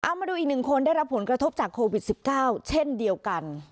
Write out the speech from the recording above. เอามาดูอีกหนึ่งคนได้รับผลกระทบจากโควิด๑๙เช่นเดียวกัน